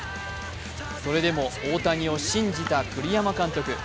それでも大谷を信じた栗山監督。